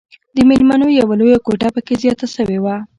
د ميلمنو يوه لويه کوټه پکښې زياته سوې وه.